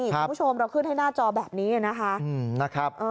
คุณผู้ชมเราขึ้นให้หน้าจอแบบนี้นะคะ